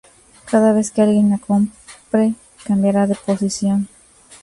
Cada vez que alguien la compre, cambiará de posición.